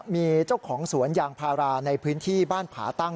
มีเจ้าของสวนยางพาราในพื้นที่บ้านผาตั้ง